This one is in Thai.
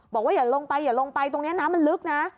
อย่าลงไปอย่าลงไปตรงนี้น้ำมันลึกนะ